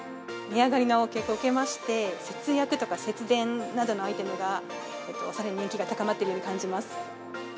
値上がりの傾向受けまして、節約とか、節電などのアイテムが、さらに人気が高まっていると感じます。